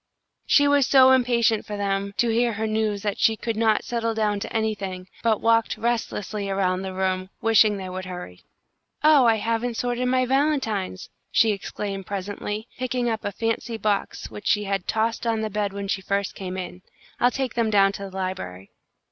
She was so impatient for them to hear her news that she could not settle down to anything, but walked restlessly around the room, wishing they would hurry. "Oh, I haven't sorted my valentines!" she exclaimed, presently, picking up a fancy box which she had tossed on the bed when she first came in. "I'll take them down to the library."